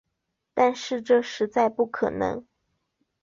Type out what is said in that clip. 但是这实在不可能